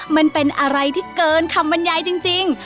มันเป็นอะไรที่เกินคำบรรยายจริง